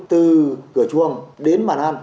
từ cửa chuồng đến bàn ăn